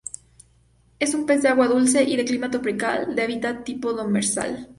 Es un pez de agua dulce y de clima tropical, de hábitat tipo demersal.